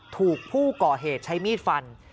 ถูกผู้ก่อเหตุใช้มีดฟัน